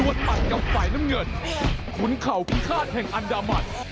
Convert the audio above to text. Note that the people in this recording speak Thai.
หมัดกับฝ่ายน้ำเงินขุนเข่าพิฆาตแห่งอันดามัน